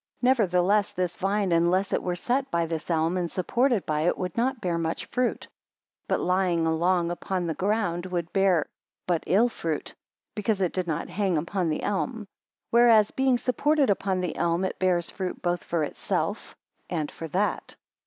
Nevertheless this vine unless it were set by this elm, and supported by it, would not bear much fruit; but lying along upon the ground, would bear but ill fruit, because it did not hang upon the elm; whereas, being supported upon the elm, it bears fruit both for itself and for that.